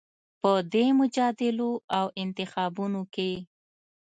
په دې مجادلو او انتخابونو کې